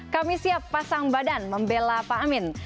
kami siap pasang badan membela pak amin